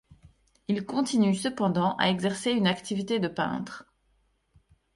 Il continue cependant à exercer une activité de peintre.